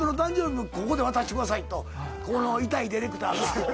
「渡してください」とここの痛いディレクターが。